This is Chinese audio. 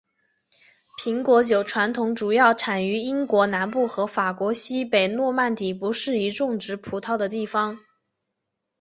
苹果酒传统主要产于英国南部和法国西北诺曼底不适宜种植葡萄的地方。